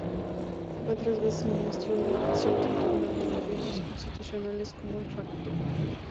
Fue tres veces ministro de la Nación tanto durante gobiernos constitucionales como de facto.